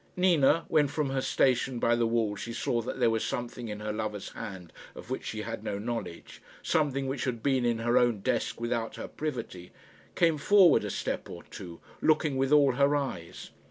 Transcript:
Nina, when from her station by the wall she saw that there was something in her lover's hands of which she had no knowledge something which had been in her own desk without her privity came forward a step or two, looking with all her eyes.